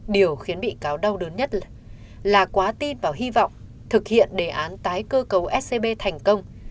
điều khiến bị cáo đau đớn nhất là quá tin và hy vọng thực hiện đề án tái cơ cấu scb thành công